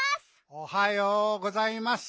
おはようございます。